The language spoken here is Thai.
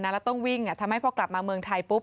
แล้วต้องวิ่งทำให้พอกลับมาเมืองไทยปุ๊บ